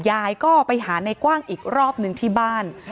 ยายก็ไปหาในกว้างอีกรอบนึงที่บ้าน